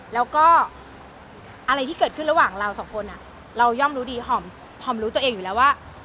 แล้วก็อะไรที่เกิดขึ้นระหว่างเราสองคนเราย่อมรู้ดีหอมรู้ตัวเองอยู่แล้วว่า